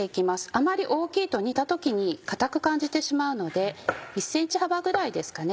あまり大きいと煮た時に硬く感じてしまうので１ｃｍ幅ぐらいですかね